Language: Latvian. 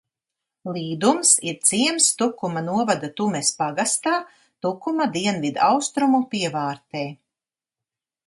Līdums ir ciems Tukuma novada Tumes pagastā, Tukuma dienvidaustrumu pievārtē.